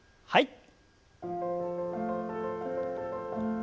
はい。